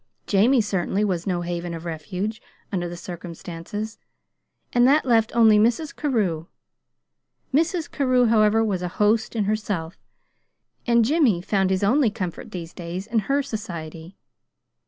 Jamie, certainly, was no haven of refuge, under the circumstances; and that left only Mrs. Carew. Mrs. Carew, however, was a host in herself, and Jimmy found his only comfort these days in her society.